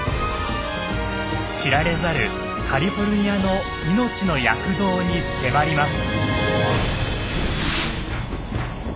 知られざるカリフォルニアの命の躍動に迫ります。